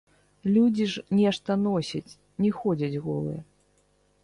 Людзі ж нешта носяць, не ходзяць голыя.